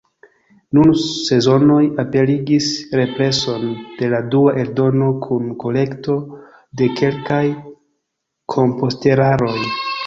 Nun Sezonoj aperigis represon de la dua eldono kun korekto de kelkaj komposteraroj.